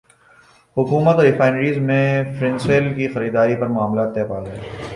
حکومت اور ریفائنریز میں فرنس ئل کی خریداری پر معاملات طے پاگئے